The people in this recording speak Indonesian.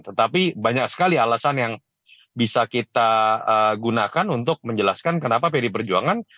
tetapi banyak sekali alasan yang bisa kita gunakan untuk menjelaskan kenapa pdi perjuangan